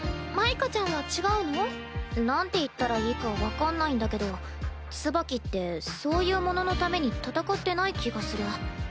舞花ちゃんは違うの？なんて言ったらいいか分かんないんだけどツバキってそういうもののために戦ってない気がする。